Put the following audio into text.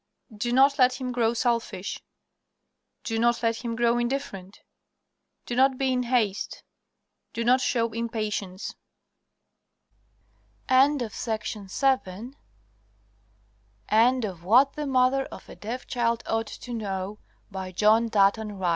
Do not let him grow selfish. Do not let him grow indifferent. Do not be in haste. Do not show impatience. End of the Project Gutenberg EBook of What the Mother of a Deaf Child Ought to Know, by John Dutton Wright E